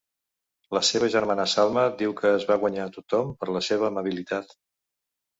La seva germana Salma diu que es va guanyar a tothom per la seva amabilitat.